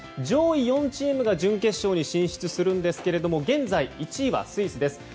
上位４チームが準決勝に進出するんですけれども現在、１位はスイス。